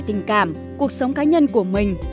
tình cảm cuộc sống cá nhân của mình